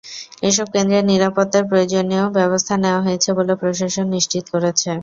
এসব কেন্দ্রের নিরাপত্তায় প্রয়োজনীয় ব্যবস্থা নেওয়া হয়েছে বলে প্রশাসন নিশ্চিত করেছে।